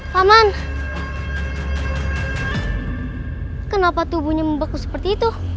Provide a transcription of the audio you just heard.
paman kenapa tubuhnya membeku seperti itu